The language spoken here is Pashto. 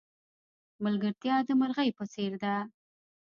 ملگرتیا د مرغی په څېر ده.